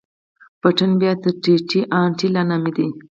پټن بيا تر ټي ان ټي لا نامي دي.